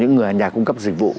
những người nhà cung cấp dịch vụ